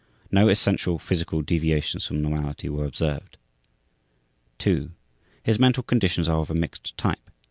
No essential physical deviations from normality were observed. 2. His mental conditions are of a mixed type.